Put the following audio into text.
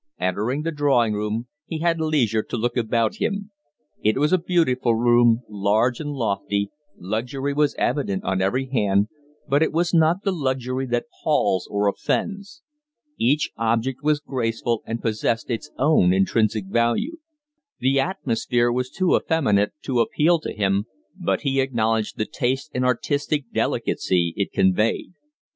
Entering the drawing room, he had leisure to look about him. It was a beautiful room, large and lofty; luxury was evident on every hand, but it was not the luxury that palls or offends. Each object was graceful, and possessed its own intrinsic value. The atmosphere was too effeminate to appeal to him, but he acknowledged the taste and artistic delicacy it conveyed.